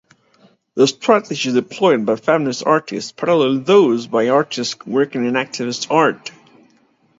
The strategies deployed by feminist artists parallel those by artists working in activist art.